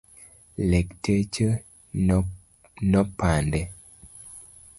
Lakteche nopande.